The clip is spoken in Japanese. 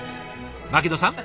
牧野さん